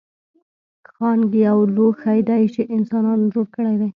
ښانک یو لوښی دی چې انسانانو جوړ کړی دی